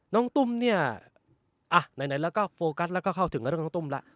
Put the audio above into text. น้องตุ้มเนี่ยไหนแล้วก็โฟกัสเข้าถึงกับน้องตุ้มแล้ว